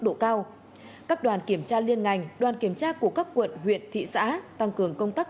độ cao các đoàn kiểm tra liên ngành đoàn kiểm tra của các quận huyện thị xã tăng cường công tác